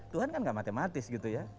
tuhan kan gak matematis gitu ya